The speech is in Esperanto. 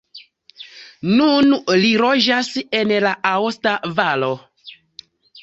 Nun li loĝas en la aosta valo.